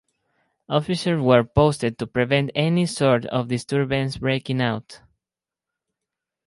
Officers were posted to prevent any sort of disturbance breaking out.